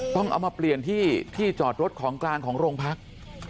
ต้องเอามาเปลี่ยนที่ที่จอดรถของกลางของโรงพัก